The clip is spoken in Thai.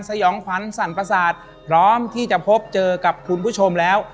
ยองขวัญสั่นประสาทพร้อมที่จะพบเจอกับคุณผู้ชมแล้ว